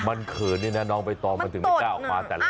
มันเผินนี่นะน้องเองมัยตอม่ายนี่แก้ออกมาแต่อะไร